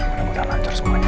mudah mudahan lancar semuanya